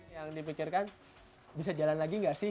yang dipikirkan bisa jalan lagi nggak sih